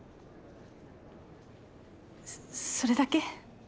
そそれだけ？